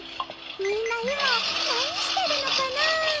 みんな今何してるのかな？